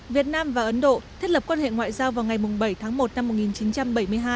việt nam và ấn độ thiết lập quan hệ ngoại giao vào ngày bảy tháng một năm một nghìn chín trăm bảy mươi hai